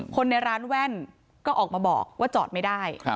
คนในร้านแว่นก็ออกมาบอกว่าจอดไม่ได้